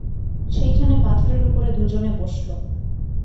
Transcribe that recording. সেইখানে পাথরের উপরে দুজনে বসল।